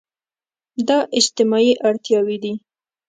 دا اجتماعي اړتياوې دي.